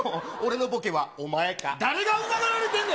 俺のボケは、お前。